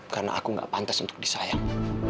karena aku enggak pantas untuk disayang